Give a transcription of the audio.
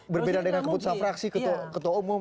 berbeda dengan keputusan fraksi ketua umum